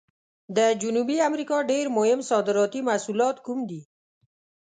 د جنوبي امریکا ډېر مهم صادراتي محصولات کوم دي؟